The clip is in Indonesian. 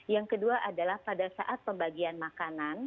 yang kedua adalah pada saat pembagian makanan